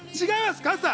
違います。